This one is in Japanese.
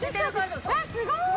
すごーい！